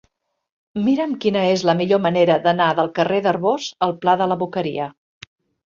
Mira'm quina és la millor manera d'anar del carrer d'Arbós al pla de la Boqueria.